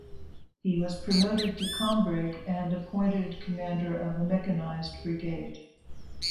He was promoted to kombrig and appointed commander of a mechanized brigade.